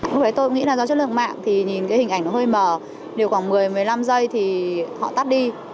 lúc đấy tôi nghĩ là do chất lượng mạng thì nhìn cái hình ảnh nó hơi mờ đều khoảng một mươi một mươi năm giây thì họ tắt đi